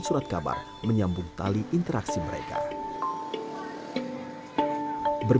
saat perbedaan dikesampingkan demi membangun kota baru